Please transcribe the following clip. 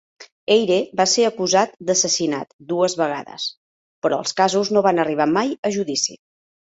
Eyre va ser acusat d'assassinat dues vegades, però els casos no van arribar mai a judici.